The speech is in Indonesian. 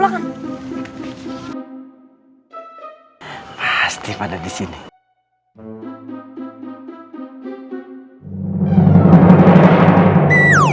kita bawa cepat dari belakang